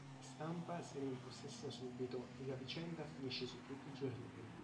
La stampa se ne impossessa subito e la vicenda finisce su tutti i giornali.